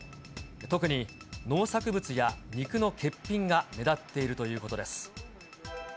特に農作物や肉の欠品が目立っているということです。